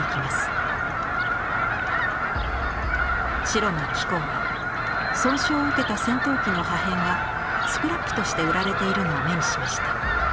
城間喜宏は損傷を受けた戦闘機の破片がスクラップとして売られているのを目にしました。